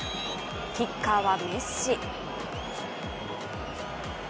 キッカーは、メッシ。